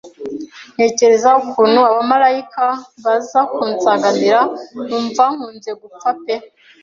ntekereza ukuntu abamalayika baza kunsanganira numva nkunze gupfa pe,